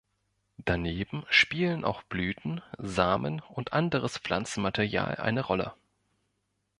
Daneben spielen auch Blüten, Samen und anderes Pflanzenmaterial eine Rolle.